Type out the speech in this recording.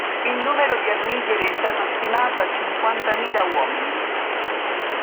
Il numero di armigeri è stato stimato a cinquantamila uomini.